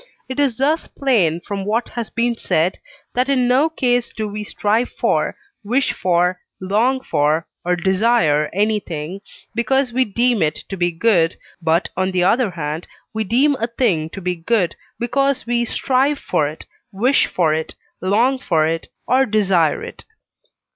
It is thus plain from what has been said, that in no case do we strive for, wish for, long for, or desire anything, because we deem it to be good, but on the other hand we deem a thing to be good, because we strive for it, wish for it, long for it, or desire it.